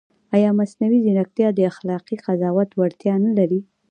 ایا مصنوعي ځیرکتیا د اخلاقي قضاوت وړتیا نه لري؟